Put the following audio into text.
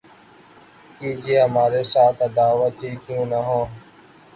کیجئے ہمارے ساتھ‘ عداوت ہی کیوں نہ ہو